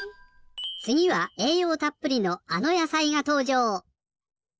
つぎはえいようたっぷりのあのやさいがとうじょう。